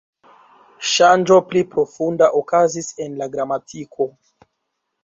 Ŝanĝo pli profunda okazis en la gramatiko.